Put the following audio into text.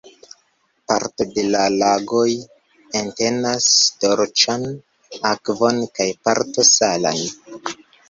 Parto de la lagoj entenas dolĉan akvon kaj parto salan.